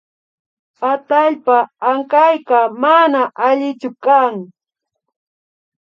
Atallpa ankayka mana allichu kan